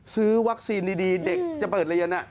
ซื้อวัคซีนดีเด็กจะเปิดเรียน